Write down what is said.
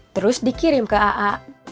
terus dikirim ke aa